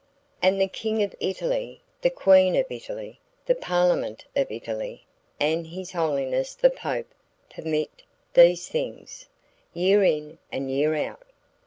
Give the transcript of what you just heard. And the King of Italy, the Queen of Italy, the Parliament of Italy and His Holiness the Pope permit these things, year in and year out.